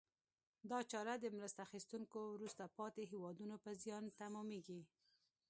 دا چاره د مرسته اخیستونکو وروسته پاتې هېوادونو په زیان تمامیږي.